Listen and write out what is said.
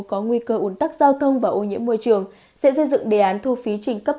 có nguy cơ ủn tắc giao thông và ô nhiễm môi trường sẽ xây dựng đề án thu phí trình cấp